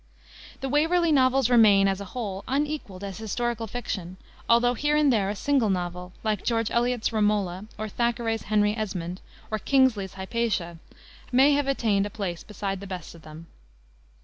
The Waverley novels remain, as a whole, unequaled as historical fiction, although, here and there a single novel, like George Eliot's Romola, or Thackeray's Henry Esmond, or Kingsley's Hypatia, may have attained a place beside the best of them.